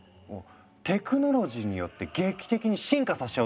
テクノロジーによって劇的に進化させ